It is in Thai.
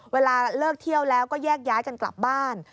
เวลาเลิกเที่ยวแล้วก็แยกย้ายกันกลับบ้าน